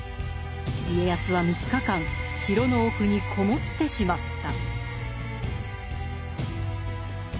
家康は３日間城の奥に籠もってしまった。